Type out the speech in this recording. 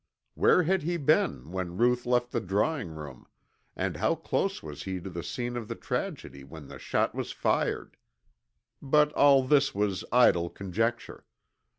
Where had he been when Ruth left the drawing room and how close was he to the scene of the tragedy when the shot was fired? But all this was idle conjecture.